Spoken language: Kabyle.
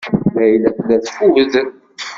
Layla tella teffud.